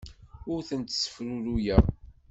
Ur tent-ssefruruyeɣ.